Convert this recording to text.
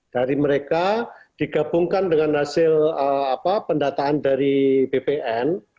dari mereka digabungkan dengan hasil pendataan dari bpn